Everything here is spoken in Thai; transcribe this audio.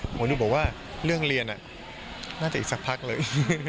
หมอดูบอกว่าเรื่องเรียนน่าจะอีกสักพักเลย